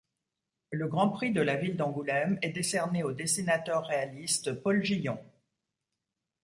Le Grand Prix de la ville d'Angoulême est décerné au dessinateur réaliste Paul Gillon.